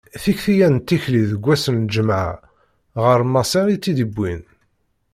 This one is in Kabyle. Tikti-ya n tikli deg ass n lǧemɛa, ɣer Maṣer i tt-id-wwin.